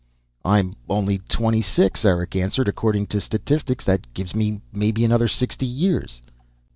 "I'm only twenty six," Eric answered. "According to statistics, that gives me maybe another sixty years."